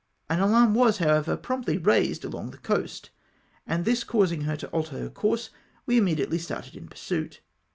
An alarm was, however, promptly raised along the coast, and this causing her to alter her com^se, we immediately started in pursuit.